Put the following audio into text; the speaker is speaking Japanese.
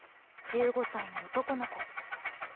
１５歳の男の子。